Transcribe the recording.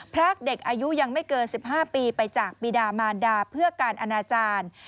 พรากเด็กอายุยังไม่เกิน๑๕ปีไปจากปีดามารดาเพื่อการอนาจารย์